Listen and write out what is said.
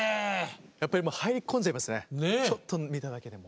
やっぱりもう入り込んじゃいますねちょっと見ただけでも。